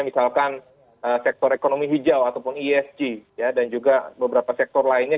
misalkan sektor ekonomi hijau ataupun esg dan juga beberapa sektor lainnya